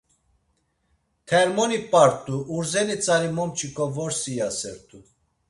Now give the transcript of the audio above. Termoni p̌art̆u urzeni tzari momçiǩo vorsi iyasert̆u.